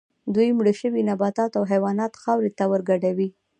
دوی مړه شوي نباتات او حیوانات خاورې ته ورګډوي